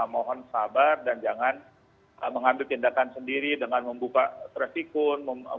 mohon sabar dan jangan mengambil tindakan sendiri dengan membuka trafficun